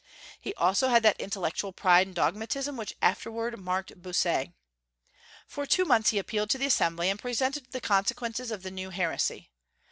He also had that intellectual pride and dogmatism which afterward marked Bossuet. For two months he appealed to the assembly, and presented the consequences of the new heresy.